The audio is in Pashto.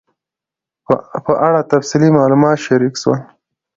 په اړه تفصیلي معلومات شریک سول